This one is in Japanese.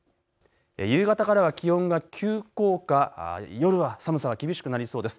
夕方からは気温が急降下、夜は寒さ厳しくなりそうです。